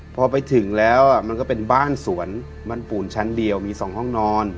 พอไปถึงแล้วมันก็เป็นบ้านสวนบ้านปูนชั้นเดียวมี๒ห้องนอน